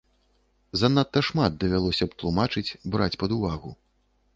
Занадта шмат давялося б тлумачыць, браць пад увагу.